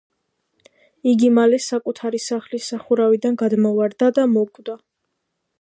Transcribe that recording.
იგი მალე საკუთარი სახლის სახურავიდან გადმოვარდა და მოკვდა.